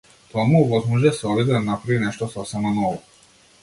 Тоа му овозможи да се обиде да направи нешто сосема ново.